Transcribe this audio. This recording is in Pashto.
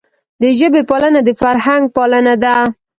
د ژبي پالنه د فرهنګ پالنه ده.